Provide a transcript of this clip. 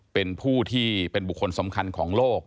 เป็นผู้ที่เป็นบุคคลสำคัญของโลก